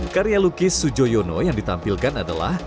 karya lukis sujoyono yang ditampilkan adalah